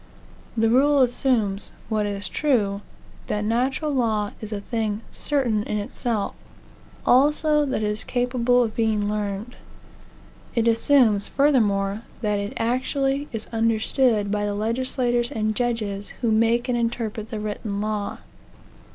The rule assumes, what is true, that natural law is a thing certain in itself; also that it is capable of being learned. It assumes, furthermore, that it actually is understood by the legislators and judges who make and interpret the written law.